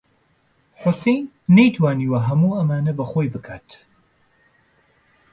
حوسێن نەیتوانیوە هەموو ئەمانە بە خۆی بکات.